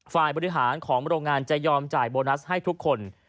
ฝ่ายบริหารของโรงงานจะยอมจ่ายโบนัสให้ทุกคน